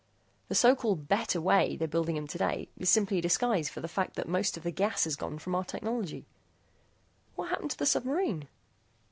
The so called 'better way' they're building 'em today is simply a disguise for the fact that most of the gas is gone from our technology." "What happened to the submarine?"